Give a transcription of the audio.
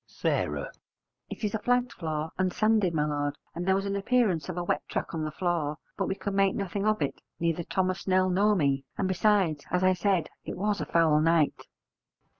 S. It is a flagged floor and sanded, my lord, and there was an appearance of a wet track on the floor, but we could make nothing of it, neither Thomas Snell nor me, and besides, as I said, it was a foul night.